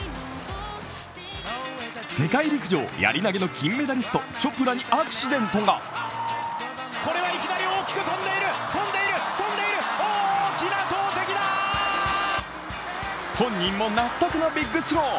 世界陸上、やり投げの金メダリストチョプラにアクシデントがる本人も納得のビッグスロー。